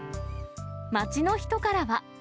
街の人からは。